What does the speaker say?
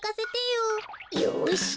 よし。